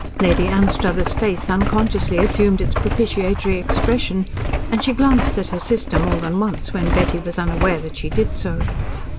Lady Anstruthers' face unconsciously assumed its propitiatory expression, and she glanced at her sister more than once when Betty was unaware that she did so.